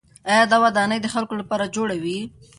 آیا دا ودانۍ د خلکو لپاره جوړې وې؟